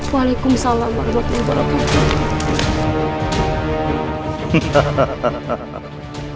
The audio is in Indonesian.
waalaikumsalam warahmatullahi wabarakatuh